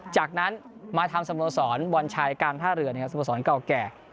จากนั้นมาทำสมสรรค์วันชายการท่าเรือสมสรรค์เก่าแก่